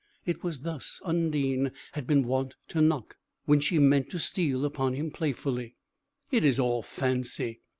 It was thus Undine had been wont to knock, when she meant to steal upon him playfully. "It is all fancy!"